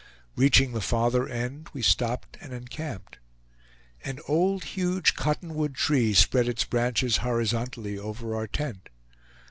Reaching the farther end, we stopped and encamped. An old huge cotton wood tree spread its branches horizontally over our tent.